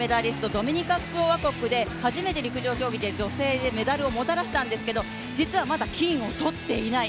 ドミニカ共和国で初めて、女性でメダルをもたらしたんですけど、実はまだ金は取っていない。